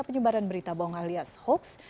penyebaran berita bohong alias hoax